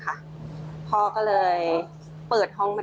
เจ้าของห้องเช่าโพสต์คลิปนี้